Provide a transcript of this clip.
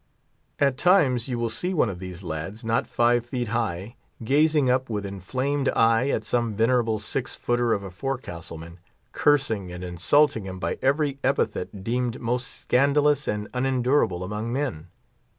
At times you will see one of these lads, not five feet high, gazing up with inflamed eye at some venerable six footer of a forecastle man, cursing and insulting him by every epithet deemed most scandalous and unendurable among men.